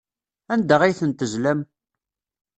Anda ay ten-tezlam?